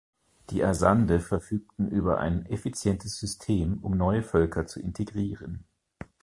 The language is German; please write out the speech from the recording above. Die Azande verfügten über ein effizientes System um neue Völker zu integrieren.